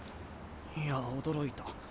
いや驚いた。